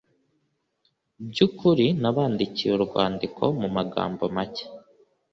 By ukuri nabandikiye urwandiko mu magambo make